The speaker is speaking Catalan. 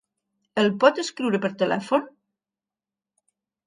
El pot escriure pel telèfon?